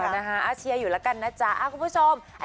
นะคะเชียร์อยู่แล้วกันนะจ๊ะคุณผู้ชม